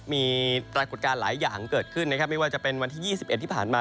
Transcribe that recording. มีปรากฏการณ์หลายอย่างเกิดขึ้นนะครับไม่ว่าจะเป็นวันที่๒๑ที่ผ่านมา